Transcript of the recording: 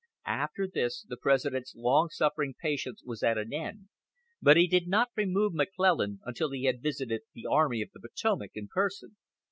After this the President's long suffering patience was at an end, but he did not remove McClellan until he had visited the Army of the Potomac in person.